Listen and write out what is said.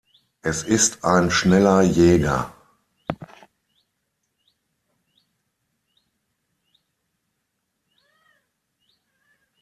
Es ist ein schneller Jäger.